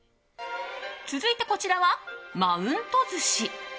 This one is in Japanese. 続いてこちらは、マウント寿司。